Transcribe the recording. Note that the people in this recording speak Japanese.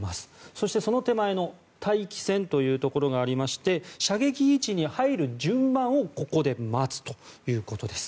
そして、その手前の待機線というところがありまして射撃位置に入る順番をここで待つということです。